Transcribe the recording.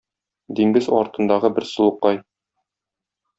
Диңгез артындагы бер сылукай